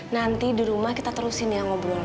nanti di rumah kita terusin ya ngobrol